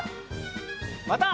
また。